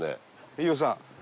飯尾さん